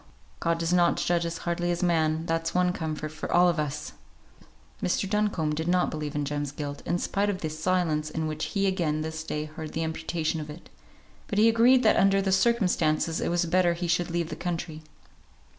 God does not judge as hardly as man, that's one comfort for all of us!" Mr. Duncombe did not believe in Jem's guilt, in spite of the silence in which he again this day heard the imputation of it; but he agreed that under the circumstances it was better he should leave the country.